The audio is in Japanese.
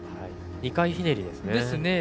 ２回ひねりですね。